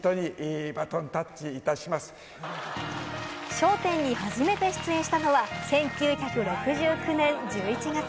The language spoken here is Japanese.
『笑点』に初めて出演したのは１９６９年１１月。